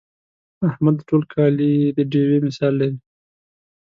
احمد د ټول کلي د ډېوې مثال لري.